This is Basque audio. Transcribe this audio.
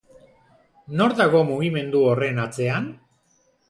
Nor dago mugimendu horren atzean?